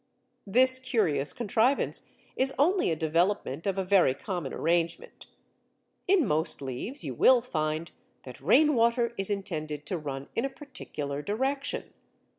This curious contrivance is only a development of a very common arrangement. In most leaves you will find that rainwater is intended to run in a particular direction.